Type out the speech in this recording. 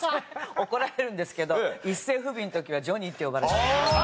怒られるんですけど一世風靡の時はジョニーって呼ばれてた。